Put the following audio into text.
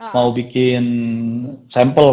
mau bikin sampel